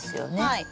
はい。